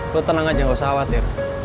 lo tenang aja gak usah khawatir